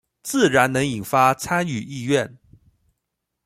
自然能引發參與意願